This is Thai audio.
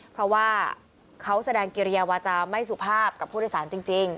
เพราะว่าเขาแสดงกิริยาวาจาไม่สุภาพกับผู้โดยสารจริง